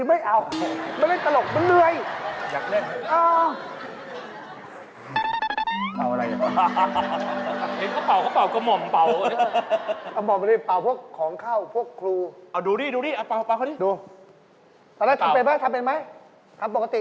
อาจารย์เขาไม่ได้เปล่าอาจารย์เขาไม่ได้เปล่าทำไม่ได้เราต้องให้เขาเปล่า